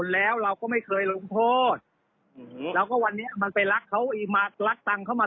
แล้วเราก็บอกว่าใครไปรักตังมา